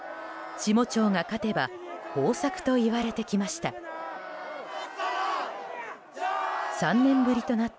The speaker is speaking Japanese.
下町が勝てば豊作といわれてきました。